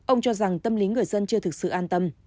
ông cho rằng tâm lý người dân chưa thực sự an tâm